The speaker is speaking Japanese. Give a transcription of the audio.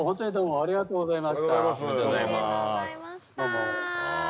ありがとうございます。